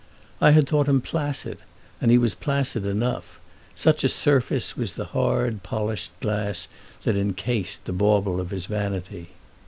I had thought him placid, and he was placid enough; such a surface was the hard polished glass that encased the bauble of his vanity.